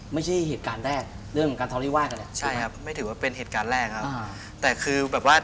ไม่ใช่เหตุการณ์แรกเรื่องของทั้งทัวรี่ว่างเนี่ย